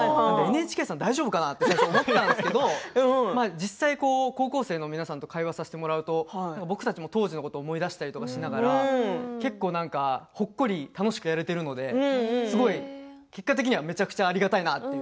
ＮＨＫさん、大丈夫かな？と思っていたんですけれど実際に高校生の皆さんと会話をさせてもらうと僕たちも当時のことを思い出させてもらったりしてほっこり楽しくやれているので結果的には、むちゃくちゃありがたいなと。